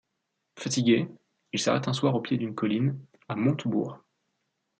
Fatigué, il s’arrête un soir au pied d’une colline, à Montebourg.